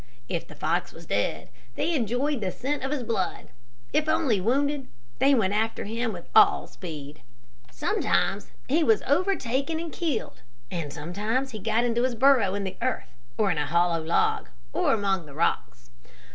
If the fox was dead, they enjoyed the scent of his blood. If only wounded, they went after him with all speed. "Sometimes he was overtaken and killed, and sometimes he got into his burrow in the earth, or in a hollow log, or among the rocks.